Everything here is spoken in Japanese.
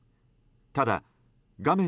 ただ画面